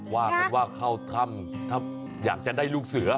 ว่าเขาทำอยากจะได้ลูกเสือ